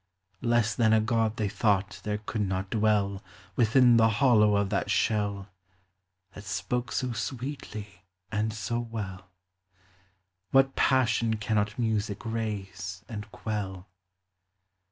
Less than a God they thought there could not dwell Within the hollow of that shell, That spoke SO sweetly and BO well. What passion cannot Music, raise and quell?